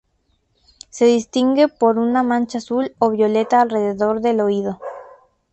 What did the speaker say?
Se distingue por una mancha azul o violeta alrededor del oído.